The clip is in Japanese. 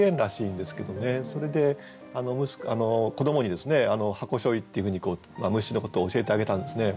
それで子どもに「箱背負い」っていうふうに虫のことを教えてあげたんですね。